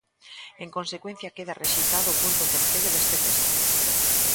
En consecuencia, queda rexeitado o punto terceiro deste texto.